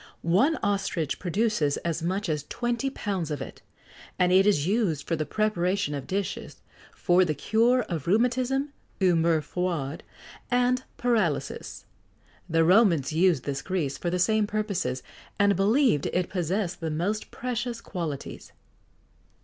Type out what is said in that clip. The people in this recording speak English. One ostrich produces as much as twenty pounds of it, and it is used for the preparation of dishes, for the cure of rheumatism, humeurs froides, and paralysis. The Romans used this grease for the same purposes, and believed it possessed the most precious qualities.